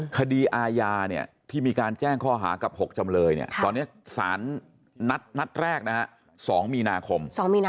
คดีอาญาเนี่ยที่มีการแจ้งข้อหากับ๖จำเลยเนี่ยตอนนี้สารนัดแรกนะฮะ๒มีนาคม